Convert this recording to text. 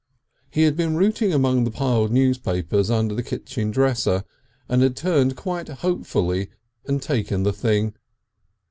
He had been routing among the piled newspapers under the kitchen dresser, and had turned quite hopefully and taken the thing.